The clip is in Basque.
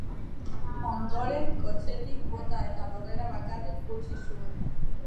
Ondoren, kotxetik bota eta lurrean bakarrik utzi zuen.